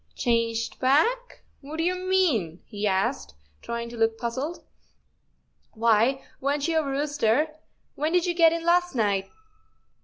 "" Changed back ! What do you mean? " he asked, trying to look puzzled. " Why, weren't you a rooster? When did you get in last night?